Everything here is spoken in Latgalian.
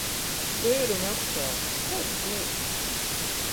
Teirumi apsāti. Lai tik leist.